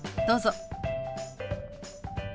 どうぞ。